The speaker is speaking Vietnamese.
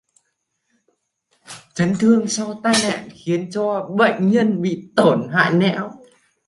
Trấn thương sau tai nạn khiến cho bệnh nhân bị tổn hại não